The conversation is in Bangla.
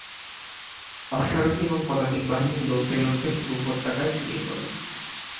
অশ্বারোহী এবং পদাতিক বাহিনী লড়তে লড়তে পুরো উপত্যকায় ছড়িয়ে পড়ে।